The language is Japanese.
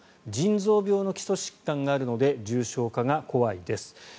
腎臓病の基礎疾患があるので重症化が怖いです。